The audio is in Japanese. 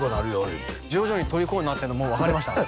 言うて徐々にとりこになってんのもう分かりましたもん